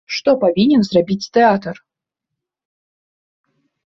Што павінен зрабіць тэатр?